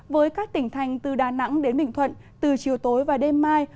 với các tỉnh thành từ đà nẵng đến bình thuận từ chiều tối và đêm mai